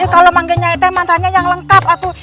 kalau manggen nyai teh mantra nya yang lengkap atuh